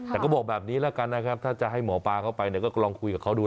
แต่ก็บอกแบบนี้ถ้าจะให้หมอปลาเข้าไปก็ลองคุยกับเขาดู